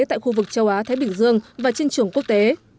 tại khu vực châu á thái bình dương và trên trường quốc tế